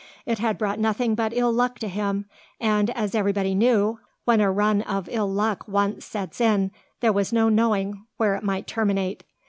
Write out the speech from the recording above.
It had brought nothing but ill luck to him; and, as everybody knew, when a run of ill luck once sets in, there was no knowing where it might terminate.